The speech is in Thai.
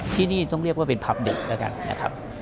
ที่นี่ต้องเรียกว่าเป็นพับเด็ก